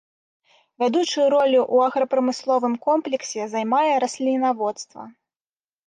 Вядучую ролю ў аграпрамысловым комплексе займае раслінаводства.